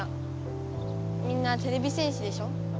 みんなてれび戦士でしょ。